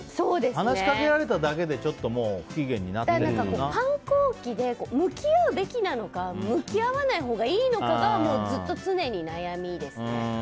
話しかけられただけで反抗期で向き合うべきなのか向き合わないほうがいいのかがずっと常に悩みですね。